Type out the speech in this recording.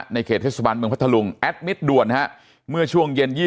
เขตเทศบาลเมืองพัทธลุงแอดมิตรด่วนเมื่อช่วงเย็น